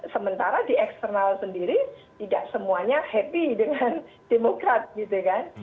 sementara di eksternal sendiri tidak semuanya happy dengan demokrat gitu kan